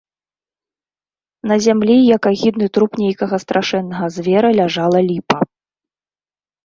На зямлі, як агідны труп нейкага страшэннага звера, ляжала ліпа.